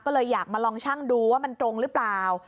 ก็เลยอยากมาลองชั่งดูว่ามันตรงหรือเปล่า